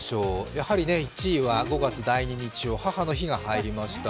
やはり１位は５月第２日曜、母の日が入りました。